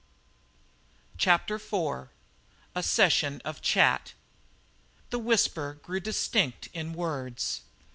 CHAPTER IV A SESSION OF CHAT The whisper grew distinct in words.